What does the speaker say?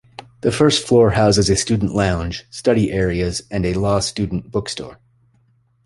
The first floor houses a student lounge, study areas and a law student bookstore.